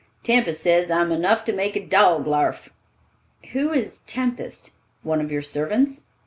Tempest say's I'm enough to make a dog larf." "Who is Tempest? One of your servants?"